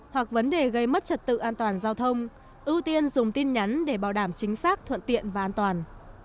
hoặc vấn đề gây mất trật tự an toàn giao thông ưu tiên dùng tin nhắn để bảo đảm chính xác thuận tiện và an toàn